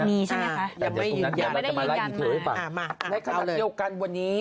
ยังไม่ยืนยันไม่ได้ยืนยันมานะครับเอาเลยในขณะเดียวกันวันนี้